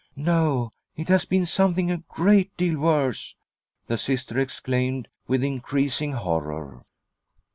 No, it has been something a great deal worse," the Sister exclaimed, with increasing horror.